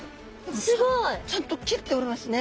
すごい！ちゃんと切れておりますね！